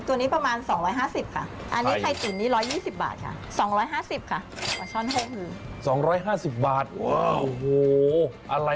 แต่ผมว่า